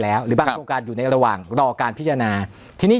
แล้วหรือบางโครงการอยู่ในระหว่างรอการพิจารณาทีนี้